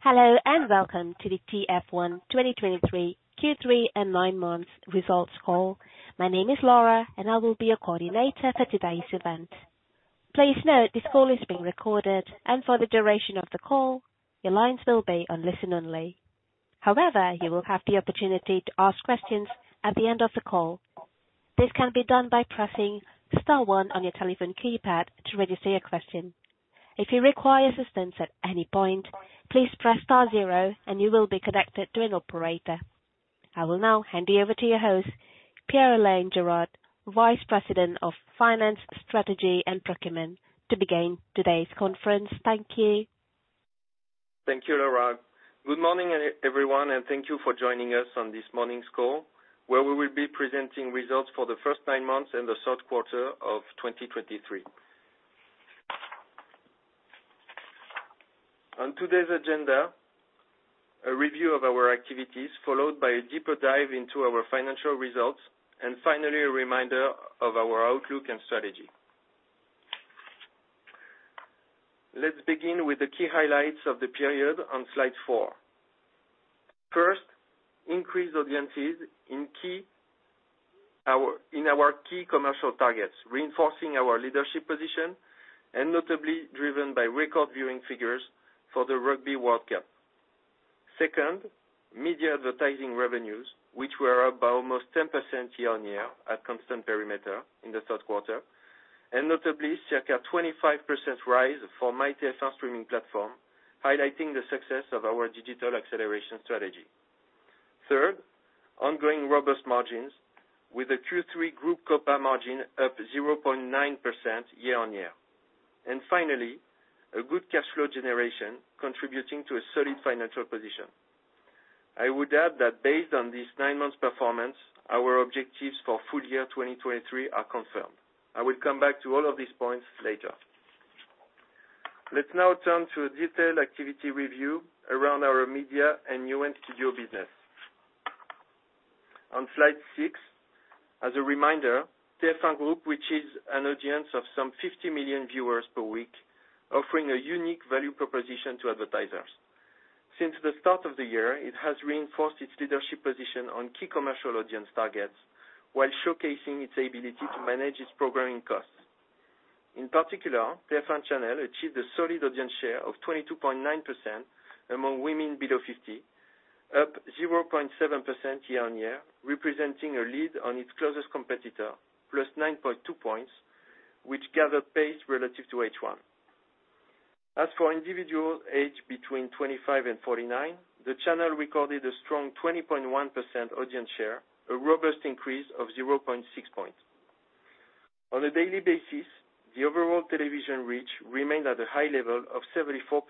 Hello, and welcome to the TF1 2023 Q3 and nine months results call. My name is Laura, and I will be your coordinator for today's event. Please note, this call is being recorded, and for the duration of the call, your lines will be on listen-only. However, you will have the opportunity to ask questions at the end of the call. This can be done by pressing star one on your telephone keypad to register your question. If you require assistance at any point, please press star zero and you will be connected to an operator. I will now hand you over to your host, Pierre-Alain Gérard, Executive Vice President Finance, Strategy and Procurement, to begin today's conference. Thank you. Thank you, Laura. Good morning, everyone, and thank you for joining us on this morning's call, where we will be presenting results for the first nine months and the third quarter of 2023. On today's agenda, a review of our activities, followed by a deeper dive into our financial results, and finally, a reminder of our outlook and strategy. Let's begin with the key highlights of the period on Slide 4. First, increased audiences in our key commercial targets, reinforcing our leadership position and notably driven by record viewing figures for the Rugby World Cup. Second, media advertising revenues, which were up by almost 10% year-on-year at constant perimeter in the third quarter, and notably a 25% rise for MYTF1 streaming platform, highlighting the success of our digital acceleration strategy. Third, ongoing robust margins with a Q3 group COPA margin up 0.9% year-on-year. Finally, a good cash flow generation contributing to a solid financial position. I would add that based on this nine-month performance, our objectives for full year 2023 are confirmed. I will come back to all of these points later. Let's now turn to a detailed activity review around our media and Newen Studios business. On Slide 6, as a reminder, TF1 Group, which is an audience of some 50 million viewers per week, offering a unique value proposition to advertisers. Since the start of the year, it has reinforced its leadership position on key commercial audience targets while showcasing its ability to manage its programming costs. In particular, TF1 Channel achieved a solid audience share of 22.9% among women under 50, up 0.7% year-on-year, representing a lead on its closest competitor, +9.2 points, which gathered pace relative to H1. As for individuals aged between 25 and 49, the channel recorded a strong 20.1% audience share, a robust increase of 0.6 points. On a daily basis, the overall television reach remained at a high level of 74%,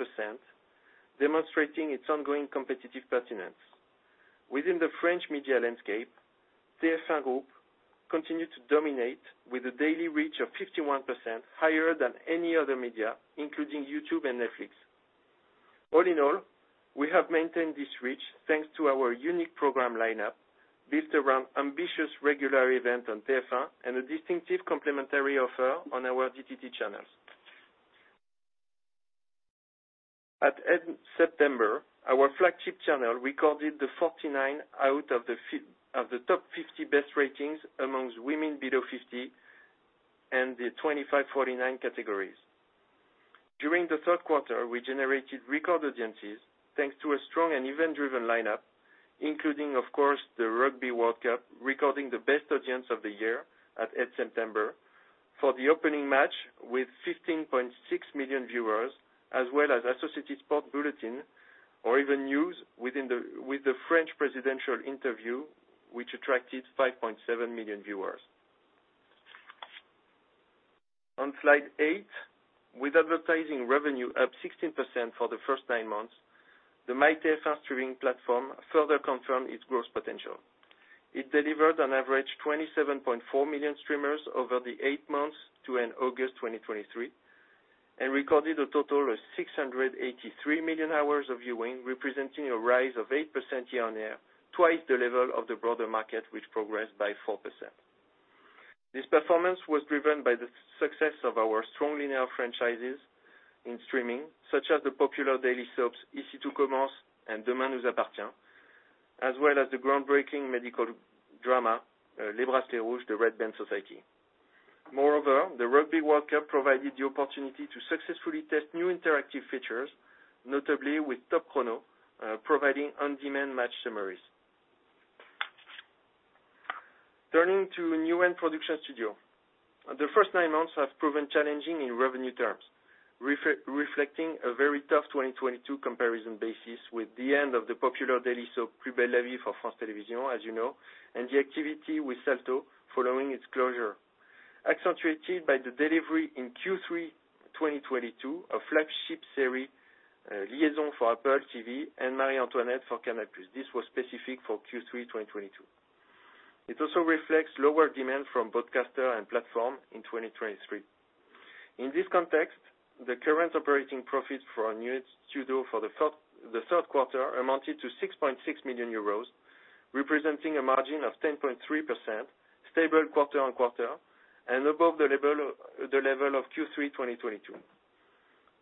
demonstrating its ongoing competitive pertinence. Within the French media landscape, TF1 Group continued to dominate with a daily reach of 51%, higher than any other media, including YouTube and Netflix. All in all, we have maintained this reach thanks to our unique program lineup, built around ambitious regular event on TF1 and a distinctive complementary offer on our DTT channels. At end September, our flagship channel recorded the 49 out of the 50 best ratings among women below 50 and the 25, 49 categories. During the third quarter, we generated record audiences, thanks to a strong and event-driven lineup, including, of course, the Rugby World Cup, recording the best audience of the year at 8th September for the opening match with 15.6 million viewers, as well as Associated Sports Bulletin or even news with the French presidential interview, which attracted 5.7 million viewers. On Slide 8, with advertising revenue up 16% for the first nine months, the MYTF1 streaming platform further confirmed its growth potential. It delivered on average 27.4 million streamers over the eight months to end August 2023, and recorded a total of 683 million hours of viewing, representing a rise of 8% year-on-year, twice the level of the broader market, which progressed by 4%. This performance was driven by the success of our strong linear franchises in streaming, such as the popular daily soaps, Ici tout commence and Demain nous appartient, as well as the groundbreaking medical drama, Les Bracelets Rouges. Moreover, the Rugby World Cup provided the opportunity to successfully test new interactive features, notably with Top Chrono, providing on-demand match summaries. Turning to Newen Studios. The first nine months have proven challenging in revenue terms, reflecting a very tough 2022 comparison basis with the end of the popular daily soap, Plus belle la vie for France Télévisions, as you know, and the activity with Salto following its closure. Accentuated by the delivery in Q3 2022, a flagship series, Liaison for Apple TV+ and Marie Antoinette for Canal+. This was specific for Q3 2022. It also reflects lower demand from broadcaster and platform in 2023. In this context, the current operating profits for our Newen Studios for the third quarter amounted to 6.6 million euros, representing a margin of 10.3%, stable quarter-on-quarter, and above the level of Q3 2022.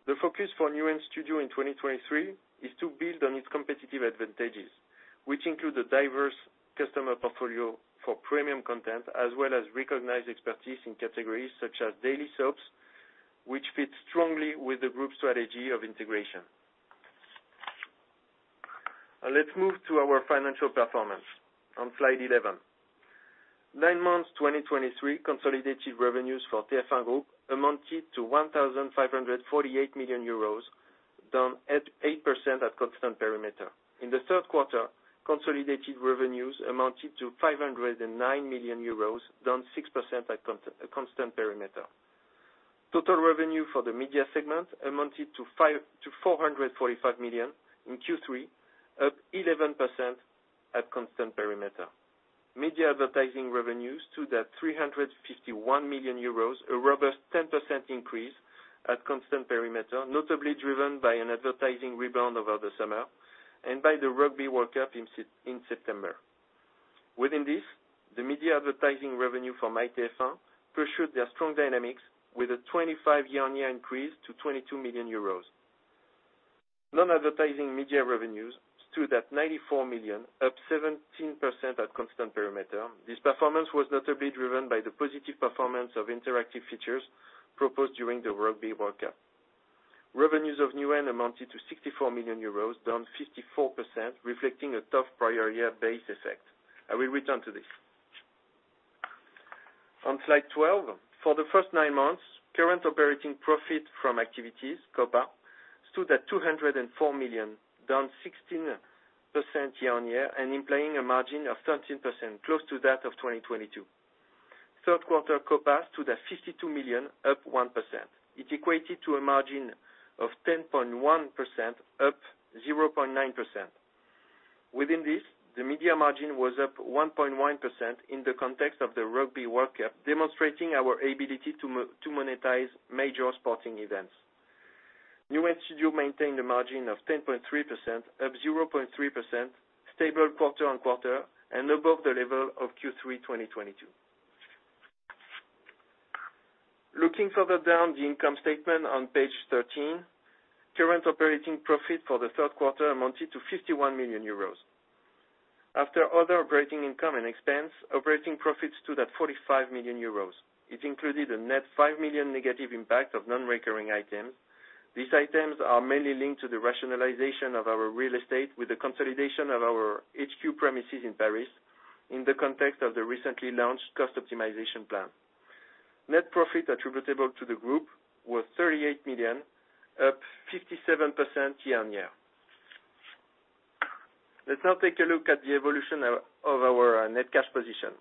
The focus for Newen Studios in 2023 is to build on its competitive advantages, which include a diverse customer portfolio for premium content, as well as recognized expertise in categories such as daily soaps, which fits strongly with the group's strategy of integration. Now let's move to our financial performance on Slide 11. Nine months, 2023 consolidated revenues for TF1 Group amounted to 1,548 million euros, down 8% at constant perimeter. In the third quarter, consolidated revenues amounted to 509 million euros, down 6% at constant perimeter. Total revenue for the media segment amounted to 445 million in Q3, up 11% at constant perimeter. Media advertising revenues stood at 351 million euros, a robust 10% increase at constant perimeter, notably driven by an advertising rebound over the summer and by the Rugby World Cup in September. Within this, the media advertising revenue from MYTF1 pursued their strong dynamics with a 25% year-on-year increase to 22 million euros. Non-advertising media revenues stood at 94 million, up 17% at constant perimeter. This performance was notably driven by the positive performance of interactive features proposed during the Rugby World Cup. Revenues of Newen amounted to 64 million euros, down 54%, reflecting a tough prior year base effect. I will return to this. On Slide 12, for the first nine months, current operating profit from activities, COPA, stood at 204 million, down 16% year-on-year, and implying a margin of 13%, close to that of 2022. Third quarter COPA stood at 52 million, up 1%. It equated to a margin of 10.1%, up 0.9%. Within this, the media margin was up 1.1% in the context of the Rugby World Cup, demonstrating our ability to to monetize major sporting events. Newen Studios maintained a margin of 10.3%, up 0.3%, stable quarter-on-quarter, and above the level of Q3 2022. Looking further down the income statement on page 13, current operating profit for the third quarter amounted to 51 million euros. After other operating income and expense, operating profits stood at 45 million euros. It included a net 5 million negative impact of non-recurring items. These items are mainly linked to the rationalization of our real estate with the consolidation of our HQ premises in Paris, in the context of the recently launched cost optimization plan. Net profit attributable to the group was 38 million, up 57% year-on-year. Let's now take a look at the evolution of, of our, net cash position.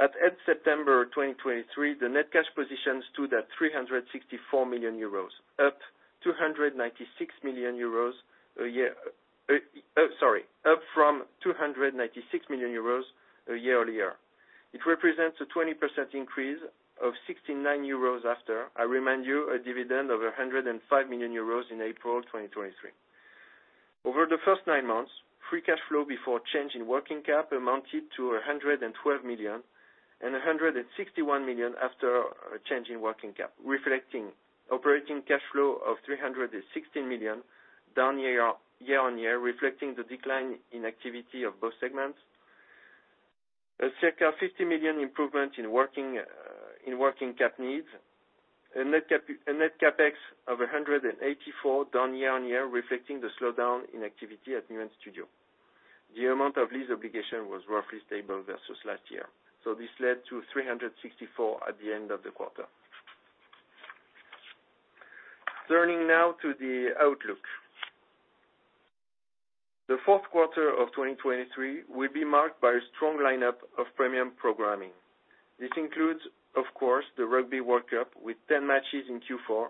At end September 2023, the net cash position stood at 364 million euros, up from 296 million euros a year earlier. It represents a 20% increase of 69 euros after, I remind you, a dividend of 105 million euros in April 2023. Over the first nine months, Free Cash Flow before change in working capital amounted to 112 million and 161 million after a change in working capital, reflecting operating cash flow of 316 million, down year-on-year, reflecting the decline in activity of both segments. A circa 50 million improvement in working cap needs, a net CapEx of 184 million, down year-on-year, reflecting the slowdown in activity at Newen Studios. The amount of lease obligation was roughly stable versus last year, so this led to 364 million at the end of the quarter. Turning now to the outlook. The fourth quarter of 2023 will be marked by a strong lineup of premium programming. This includes, of course, the Rugby World Cup, with 10 matches in Q4,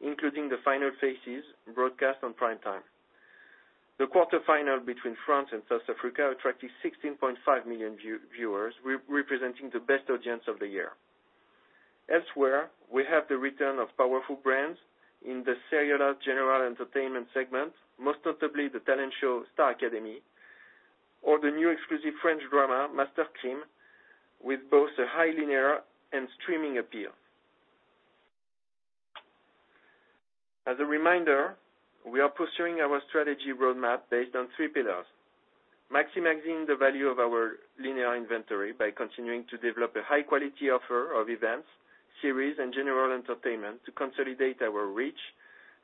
including the final phases broadcast on prime time. The quarterfinal between France and South Africa attracted 16.5 million viewers, representing the best audience of the year. Elsewhere, we have the return of powerful brands in the serial general entertainment segment, most notably the talent show, Star Academy, or the new exclusive French drama, Master Crimes, with both a high linear and streaming appeal. As a reminder, we are pursuing our strategy roadmap based on three pillars: maximizing the value of our linear inventory by continuing to develop a high quality offer of events, series, and general entertainment to consolidate our reach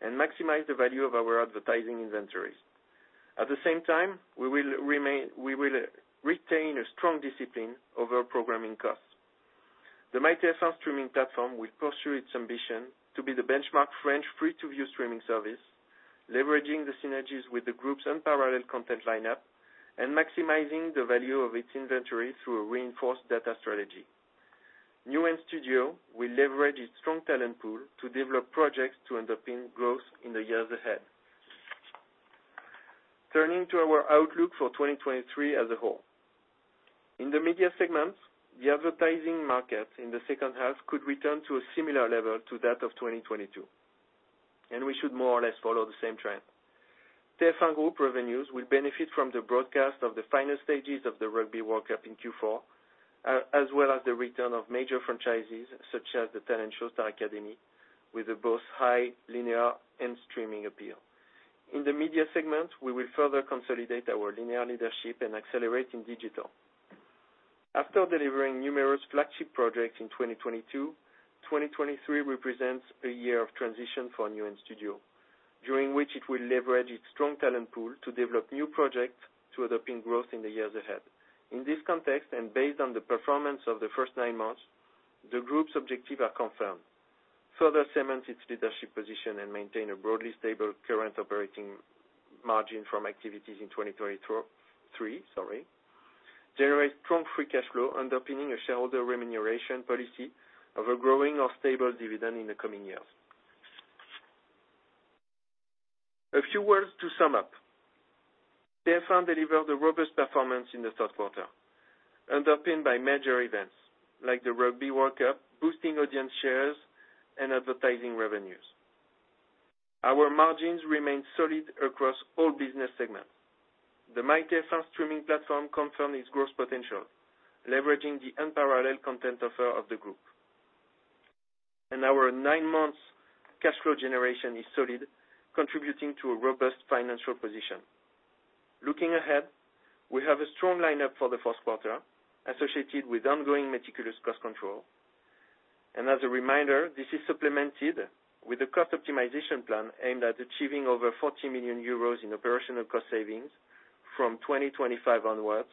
and maximize the value of our advertising inventories. At the same time, we will remain, we will retain a strong discipline over programming costs. The MYTF1 streaming platform will pursue its ambition to be the benchmark French free-to-view streaming service, leveraging the synergies with the group's unparalleled content lineup and maximizing the value of its inventory through a reinforced data strategy. Newen Studios will leverage its strong talent pool to develop projects to underpin growth in the years ahead. Turning to our outlook for 2023 as a whole. In the media segment, the advertising market in the second half could return to a similar level to that of 2022, and we should more or less follow the same trend. TF1 Group revenues will benefit from the broadcast of the final stages of the Rugby World Cup in Q4, as well as the return of major franchises such as the Talent Show Star Academy, with both high linear and streaming appeal. In the media segment, we will further consolidate our linear leadership and accelerate in digital. After delivering numerous flagship projects in 2022, 2023 represents a year of transition for Newen Studios, during which it will leverage its strong talent pool to develop new projects to underpin growth in the years ahead. In this context, and based on the performance of the first nine months, the group's objectives are confirmed: further cement its leadership position and maintain a broadly stable current operating margin from activities in 2023, sorry. Generate strong free cash flow, underpinning a shareholder remuneration policy of a growing or stable dividend in the coming years. A few words to sum up. TF1 delivered a robust performance in the third quarter, underpinned by major events like the Rugby World Cup, boosting audience shares and advertising revenues. Our margins remain solid across all business segments. The MYTF1 streaming platform confirmed its growth potential, leveraging the unparalleled content offer of the group. Our nine months cash flow generation is solid, contributing to a robust financial position. Looking ahead, we have a strong lineup for the fourth quarter, associated with ongoing meticulous cost control. As a reminder, this is supplemented with a cost optimization plan aimed at achieving over 40 million euros in operational cost savings from 2025 onwards,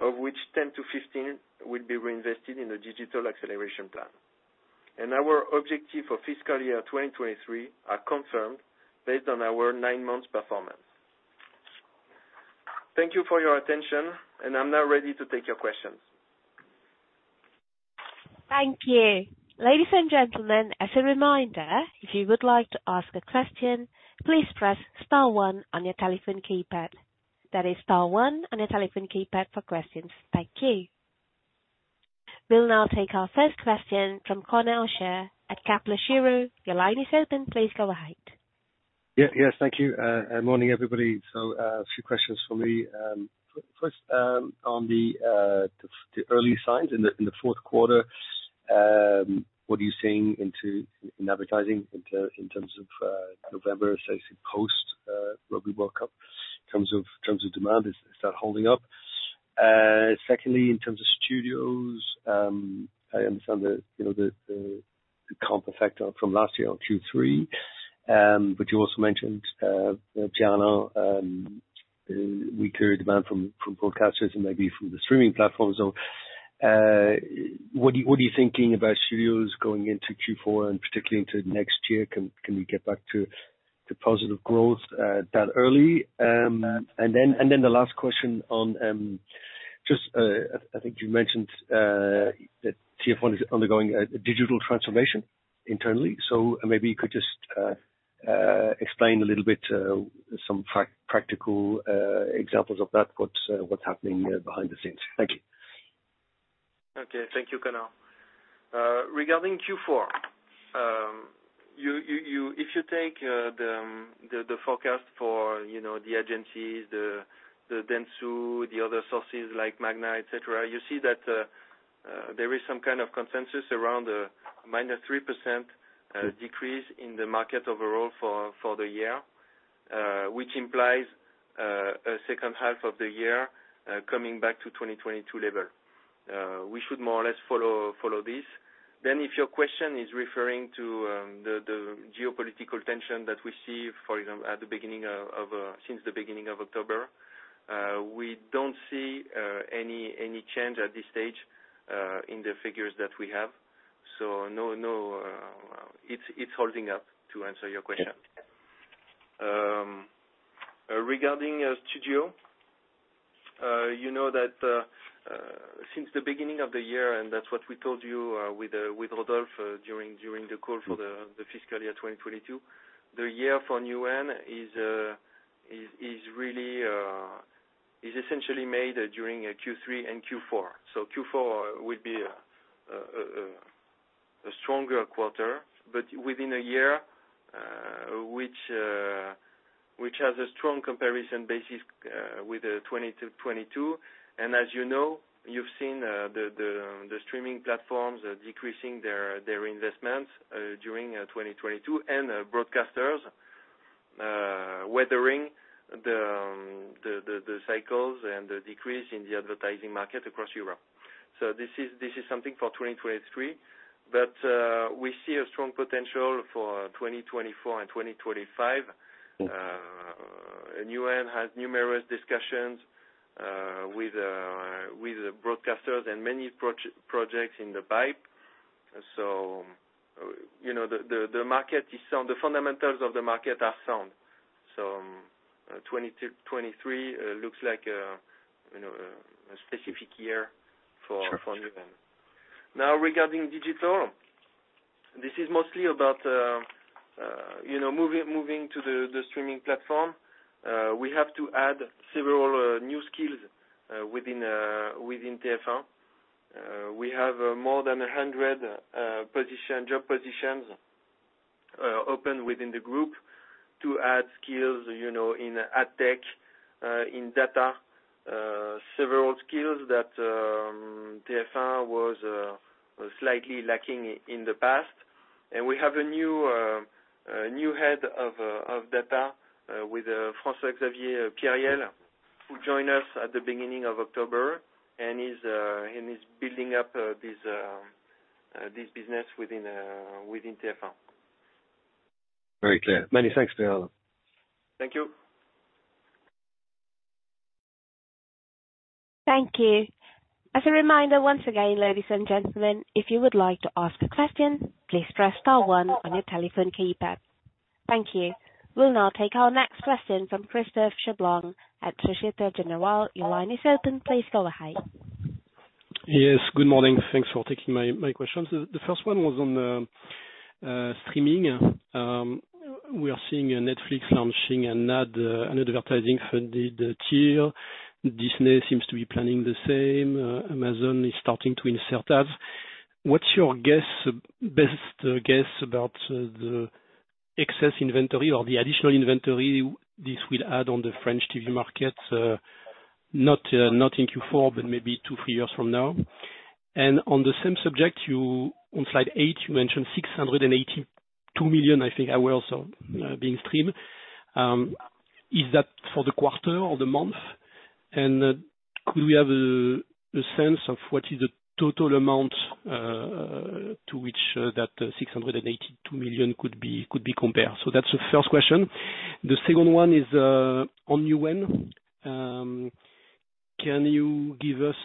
of which 10 to 15 will be reinvested in the digital acceleration plan. Our objective for fiscal year 2023 are confirmed based on our nine months performance. Thank you for your attention, and I'm now ready to take your questions. Thank you. Ladies and gentlemen, as a reminder, if you would like to ask a question, please press star one on your telephone keypad. That is, star one on your telephone keypad for questions. Thank you. We'll now take our first question from Conor O'Shea at Kepler Cheuvreux. Your line is open. Please go ahead. Yeah. Yes, thank you. Morning, everybody. So, a few questions for me. First, on the early signs in the fourth quarter, what are you seeing in advertising in terms of November, so I say post Rugby World Cup, in terms of demand, is that holding up? Second, in terms of studios, I understand that, you know, the comp effect from last year on Q3, but you also mentioned general weaker demand from broadcasters and maybe from the streaming platforms. So, what are you thinking about studios going into Q4 and particularly into next year? Can we get back to the positive growth that early? And then the last question on just I think you mentioned that TF1 is undergoing a digital transformation internally. So maybe you could just explain a little bit some practical examples of that, what's happening behind the scenes. Thank you. Okay. Thank you, Conor. Regarding Q4, if you take the forecast for, you know, the agencies, the Dentsu, the other sources like MAGNA, et cetera, you see that there is some kind of consensus around a -3% decrease in the market overall for the year. Which implies a second half of the year coming back to 2022 level. We should more or less follow this. Then, if your question is referring to the geopolitical tension that we see, for example, since the beginning of October, we don't see any change at this stage in the figures that we have. So no, it's holding up, to answer your question. Yes. Regarding studio, you know that since the beginning of the year, and that's what we told you with Rodolphe during the call for the fiscal year 2022, the year for Newen is really essentially made during Q3 and Q4. So Q4 will be a stronger quarter, but within a year which has a strong comparison basis with 2022. And as you know, you've seen the streaming platforms decreasing their investments during 2022, and broadcasters weathering the cycles and the decrease in the advertising market across Europe. So this is something for 2023, but we see a strong potential for 2024 and 2025. Mm. Newen has numerous discussions with the broadcasters and many projects in the pipe. So, you know, the market is sound, the fundamentals of the market are sound. So, 2020-2023 looks like, you know, a specific year for- Sure. for Newen. Now, regarding digital... This is mostly about, you know, moving to the streaming platform. We have to add several new skills within TF1. We have more than 100 position, job positions open within the group to add skills, you know, in ad tech, in data, several skills that TF1 was slightly lacking in the past. And we have a new head of data with François-Xavier Pierrel, who joined us at the beginning of October and is building up this business within TF1. Very clear. Many thanks, Pierre. Thank you. Thank you. As a reminder, once again, ladies and gentlemen, if you would like to ask a question, please press star one on your telephone keypad. Thank you. We'll now take our next question from Christophe Cherblanc at Société Générale. Your line is open. Please go ahead. Yes, good morning. Thanks for taking my questions. The first one was on streaming. We are seeing Netflix launching an ad, an advertising for the tier. Disney seems to be planning the same. Amazon is starting to insert ads. What's your best guess about the excess inventory or the additional inventory this will add on the French TV market? Not in Q4, but maybe two, three years from now. On the same subject, on Slide 8, you mentioned 682 million, I think, hours being streamed. Is that for the quarter or the month? And could we have a sense of what is the total amount to which that 682 million could be compared? So that's the first question. The second one is, on Newen. Can you give us,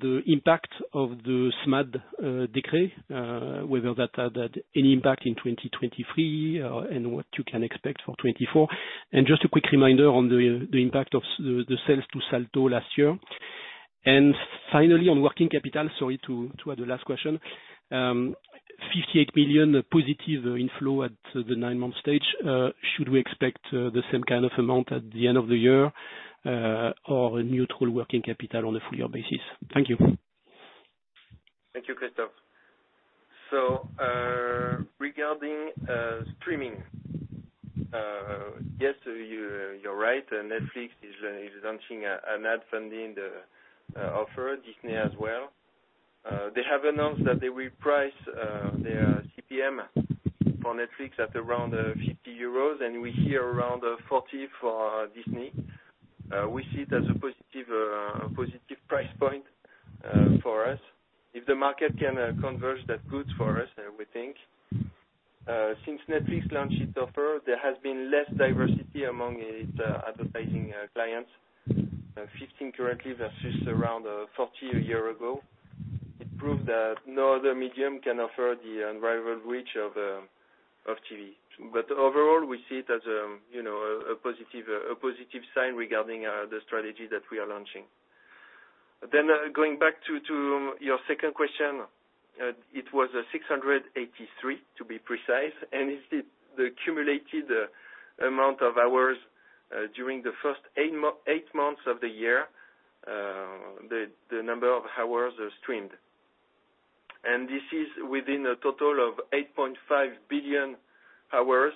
the impact of the SMAD decree, whether that had, had any impact in 2023, and what you can expect for 2024? And just a quick reminder on the, the impact of the, the sales to Salto last year. And finally, on working capital, sorry, to, to add the last question, 58 million positive inflow at the nine-month stage, should we expect, the same kind of amount at the end of the year, or a neutral working capital on a full-year basis? Thank you. Thank you, Christophe. So, regarding streaming, yes, you, you're right, Netflix is launching an ad funding offer. Disney as well. They have announced that they will price their CPM for Netflix at around 50 euros, and we hear around 40 for Disney. We see it as a positive, a positive price point for us. If the market can converge, that's good for us, we think. Since Netflix launched its offer, there has been less diversity among its advertising clients, 15 currently versus around 40 a year ago. It proved that no other medium can offer the unrivaled reach of TV. But overall, we see it as, you know, a, a positive, a positive sign regarding the strategy that we are launching. Then, going back to your second question, it was 683, to be precise, and it's the accumulated amount of hours during the first eight months of the year, the number of hours are streamed. And this is within a total of 8.5 billion hours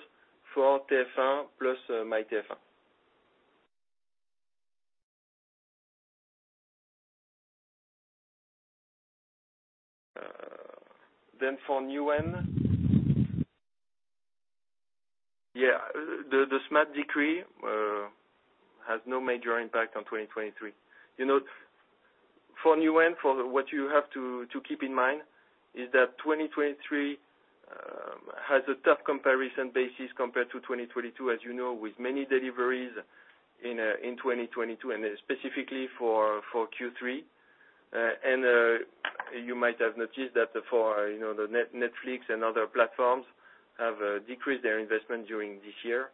for TF1+, MyTF1. Then for Newen, yeah, the SMAD decree has no major impact on 2023. You know, for Newen, for what you have to keep in mind is that 2023 has a tough comparison basis compared to 2022, as you know, with many deliveries in 2022, and specifically for Q3. You might have noticed that for, you know, the Netflix and other platforms have decreased their investment during this year.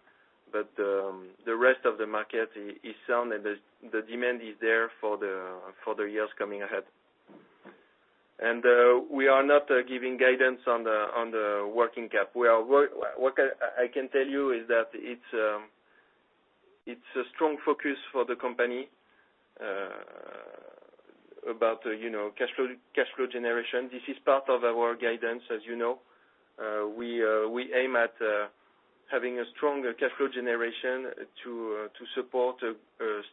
But the rest of the market is sound, and the demand is there for the years coming ahead. And we are not giving guidance on the working cap. What I can tell you is that it's a strong focus for the company, about, you know, cash flow, cash flow generation. This is part of our guidance, as you know. We aim at having a stronger cash flow generation to support a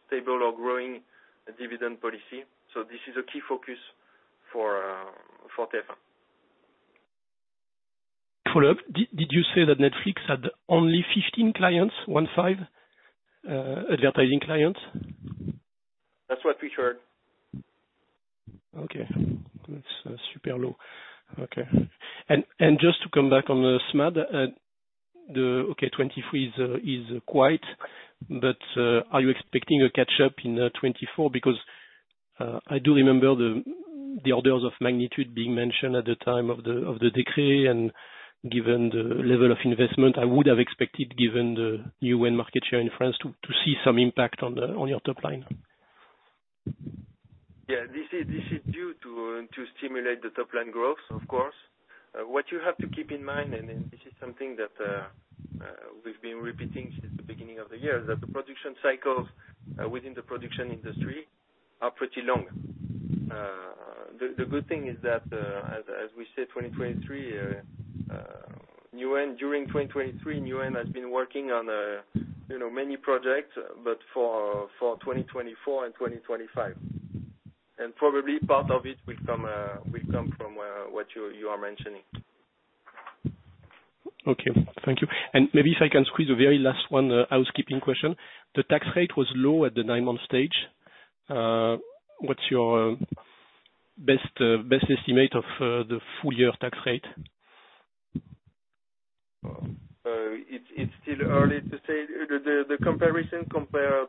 stable or growing dividend policy. So this is a key focus for TF1. Follow-up. Did you say that Netflix had only 15 clients, 15 advertising clients? That's what we heard. Okay. That's super low. Okay. And just to come back on the SMAD, the... Okay, 2023 is quiet, but are you expecting a catch-up in 2024? Because I do remember the orders of magnitude being mentioned at the time of the decree, and given the level of investment, I would have expected, given the Newen market share in France, to see some impact on the- on your top line.... Yeah, this is due to stimulate the top line growth, of course. What you have to keep in mind, and then this is something that we've been repeating since the beginning of the year, that the production cycles within the production industry are pretty long. The good thing is that, as we said, 2023, Newen—during 2023, Newen has been working on, you know, many projects, but for 2024 and 2025. And probably part of it will come from what you are mentioning. Okay, thank you. Maybe if I can squeeze a very last one, housekeeping question. The tax rate was low at the nine-month stage. What's your best, best estimate of the full year tax rate? It's still early to say. The comparison compared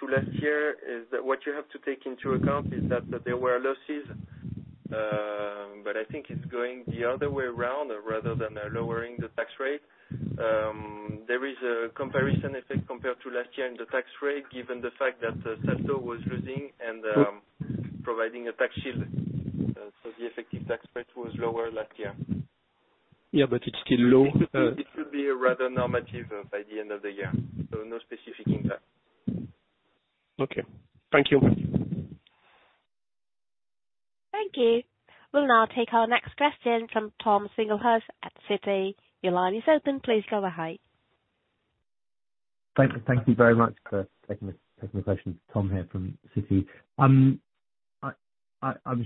to last year is that what you have to take into account is that there were losses. But I think it's going the other way around, rather than lowering the tax rate. There is a comparison effect compared to last year and the tax rate, given the fact that Salto was losing and providing a tax shield. So the effective tax rate was lower last year. Yeah, but it's still low. It should be a rather normative by the end of the year, so no specific impact. Okay. Thank you. Thank you. We'll now take our next question from Tom Singlehurst at Citi. Your line is open. Please go ahead. Thank you very much for taking my question. Tom here from Citi. I'm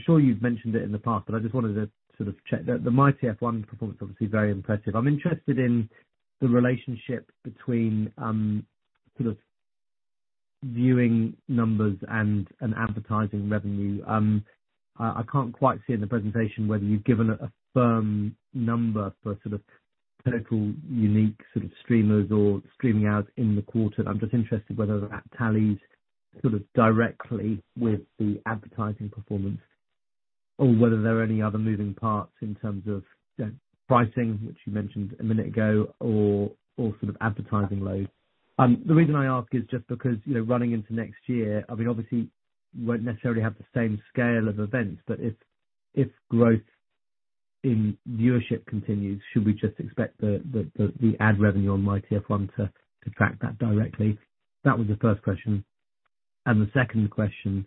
sure you've mentioned it in the past, but I just wanted to sort of check. The MYTF1 performance, obviously very impressive. I'm interested in the relationship between sort of viewing numbers and advertising revenue. I can't quite see in the presentation whether you've given a firm number for sort of total unique sort of streamers or streaming hours in the quarter. I'm just interested whether that tallies sort of directly with the advertising performance, or whether there are any other moving parts in terms of, you know, pricing, which you mentioned a minute ago, or sort of advertising load. The reason I ask is just because, you know, running into next year, I mean, obviously, you won't necessarily have the same scale of events, but if growth in viewership continues, should we just expect the ad revenue on MYTF1 to track that directly? That was the first question. And the second question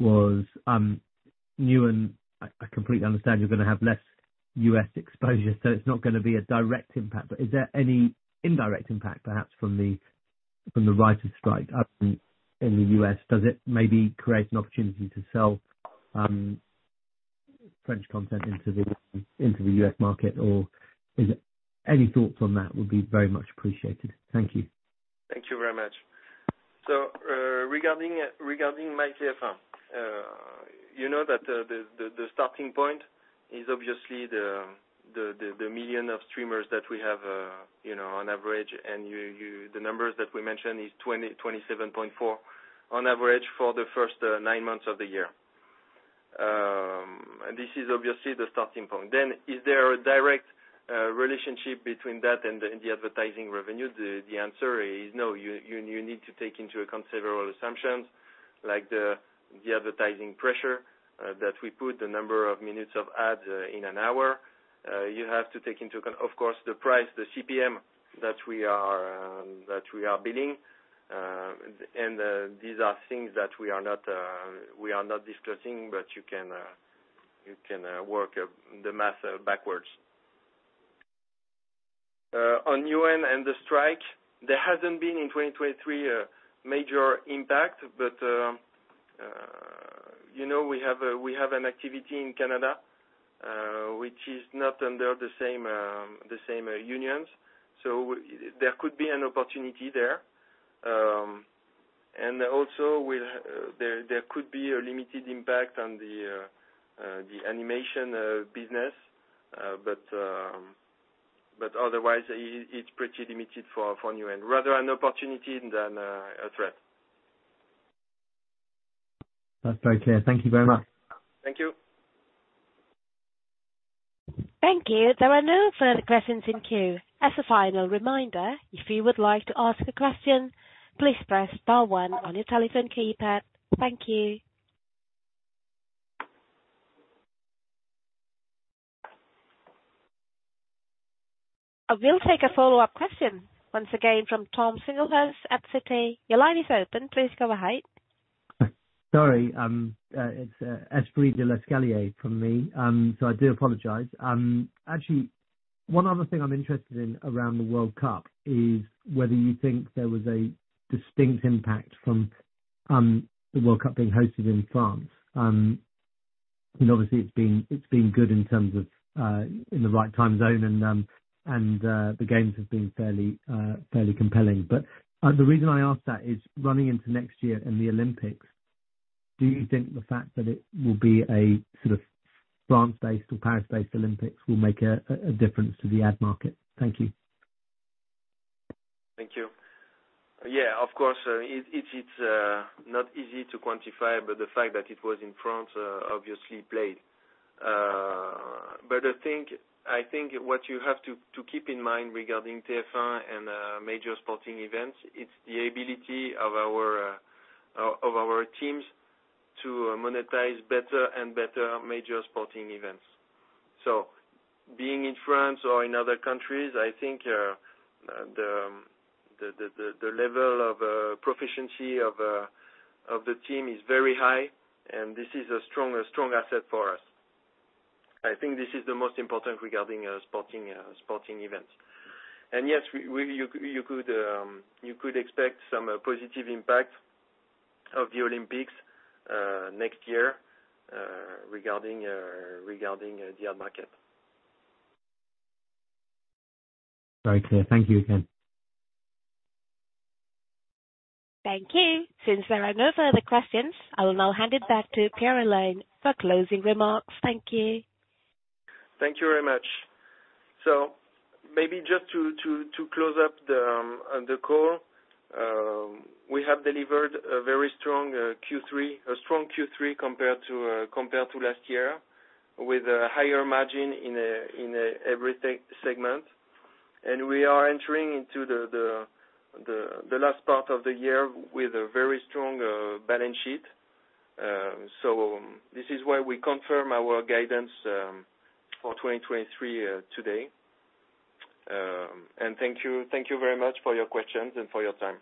was, Newen, I completely understand you're gonna have less U.S. exposure, so it's not gonna be a direct impact, but is there any indirect impact, perhaps from the writers strike up in the U.S.? Does it maybe create an opportunity to sell French content into the U.S. market? Or is it... Any thoughts on that would be very much appreciated. Thank you. Thank you very much. So, regarding MYTF1, you know, that the 27.4 million of streamers that we have, you know, on average. And the numbers that we mentioned is 27.4, on average for the first nine months of the year. And this is obviously the starting point. Then, is there a direct relationship between that and the advertising revenue? The answer is no. You need to take into account several assumptions, like the advertising pressure that we put, the number of minutes of ads in an hour. Of course, the price, the CPM that we are billing. These are things that we are not discussing, but you can work the math backwards. On Newen and the strike, there hasn't been, in 2023, a major impact, but you know, we have an activity in Canada, which is not under the same unions. So there could be an opportunity there. And also, with... There could be a limited impact on the animation business. But otherwise, it's pretty limited for Newen. Rather an opportunity than a threat. That's very clear. Thank you very much. Thank you. Thank you. There are no further questions in queue. As a final reminder, if you would like to ask a question, please press star one on your telephone keypad. Thank you. I will take a follow-up question, once again from Tom Singlehurst at Citi. Your line is open. Please go ahead. Sorry, it's l'esprit de l'escalier from me. So I do apologize. Actually, one other thing I'm interested in around the World Cup is whether you think there was a distinct impact from the World Cup being hosted in France. And obviously, it's been good in terms of in the right time zone and the games have been fairly compelling. But the reason I ask that is running into next year and the Olympics, do you think the fact that it will be a sort of France-based or Paris-based Olympics will make a difference to the ad market? Thank you. Thank you. Yeah, of course, it's not easy to quantify, but the fact that it was in France obviously played. But I think what you have to keep in mind regarding TF1 and major sporting events, it's the ability of our teams to monetize better and better major sporting events. So being in France or in other countries, I think the level of proficiency of the team is very high, and this is a strong asset for us. I think this is the most important regarding sporting events. And yes, you could expect some positive impact of the Olympics next year, regarding the ad market. Very clear. Thank you again. Thank you. Since there are no further questions, I will now hand it back to Pierre-Alain for closing remarks. Thank you. Thank you very much. So maybe just to close up the call. We have delivered a very strong Q3, a strong Q3 compared to last year, with a higher margin in every segment. And we are entering into the last part of the year with a very strong balance sheet. So this is why we confirm our guidance for 2023 today. And thank you very much for your questions and for your time.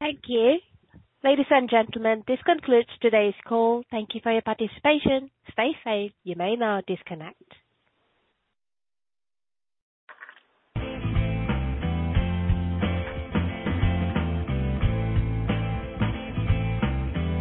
Thank you. Ladies and gentlemen, this concludes today's call. Thank you for your participation. Stay safe. You may now disconnect.